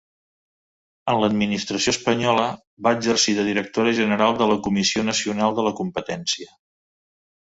En l'administració espanyola, va exercir de directora general de la Comissió Nacional de la Competència.